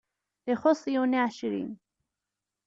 Ixuṣṣ yiwen i ɛecrin.